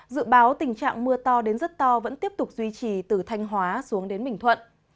dự báo tình trạng mưa to đến rất to vẫn tiếp tục duy trì từ thanh hóa xuống đến bình thuận